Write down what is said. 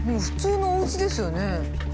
普通のおうちですよね。